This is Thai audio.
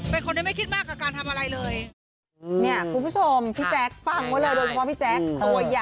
เป็นคนที่ไม่คิดมากกับการทำอะไรเลย